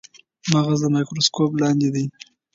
مغز د مایکروسکوپ لاندې دی.